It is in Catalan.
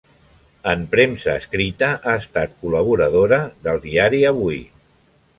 En premsa escrita ha estat col·laboradora del diari Avui.